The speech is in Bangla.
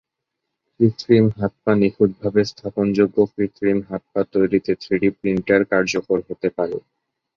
কৃত্রিম হাত-পা নিখুঁতভাবে স্থাপনযোগ্য কৃত্রিম হাত-পা তৈরিতে থ্রিডি প্রিন্টার কার্যকর হতে পারে।